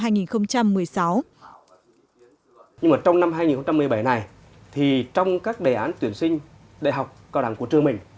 nhưng mà trong năm hai nghìn một mươi bảy này thì trong các đề án tuyển sinh đại học cao đẳng của trường mình